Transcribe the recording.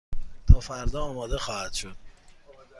تا فردا آماده خواهد شد.